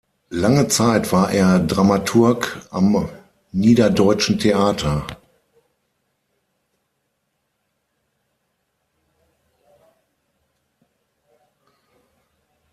Lange Zeit war er Dramaturg am Niederdeutschen Theater.